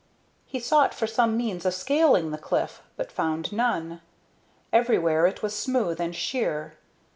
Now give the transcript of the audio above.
He sought for some means of scaling the cliff, but found none. Everywhere it was smooth and sheer.